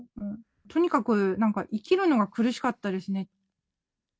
とにかくなんか、生きるのが苦しかったですね。